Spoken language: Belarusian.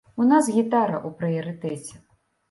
У нас гітара ў прыярытэце.